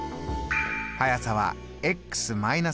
速さは−。